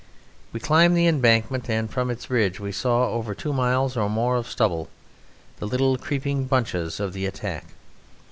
We climbed the embankment, and from its ridge we saw over two miles or more of stubble, the little creeping bunches of the attack.